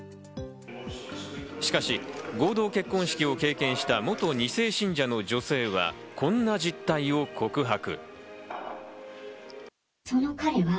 しかし合同結婚式を経験した元２世信者の女性はこんな実態を告白。